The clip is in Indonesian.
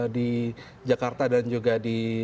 di jakarta dan juga di